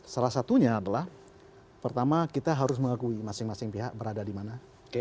salah satunya adalah pertama kita harus mengakui masing masing pihak berada di mana